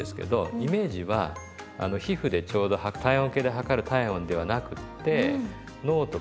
イメージは皮膚でちょうど体温計で測る体温ではなくって脳とかね